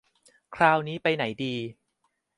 คราวนี้ไปไหนดี